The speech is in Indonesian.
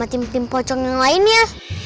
sama tim tim pocong yang lainnya